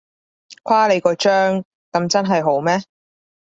誇你個張，噉真係好咩？